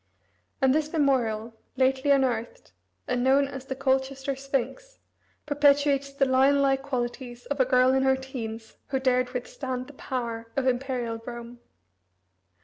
And this memorial, lately unearthed, and known as the Colchester Sphinx, perpetuates the lion like qualities of a girl in her teens, who dared withstand the power of Imperial Rome.